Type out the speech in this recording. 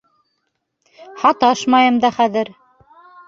Һаташмайым да хәҙер.